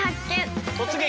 「突撃！